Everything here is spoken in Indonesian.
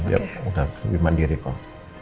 ya udah lebih mandiri kok